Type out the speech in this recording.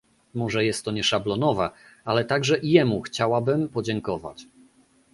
Może jest to nieszablonowe, ale także i jemu chciałabym podziękować